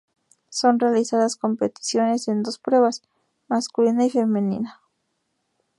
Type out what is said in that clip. Son realizadas competiciones en dos pruebas: masculina y femenina.